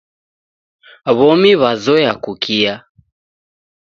W'omi w'azoya kukia.